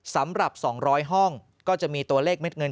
สำหรับ๒๐๐ห้องก็จะมีตัวเลขเม็ดเงิน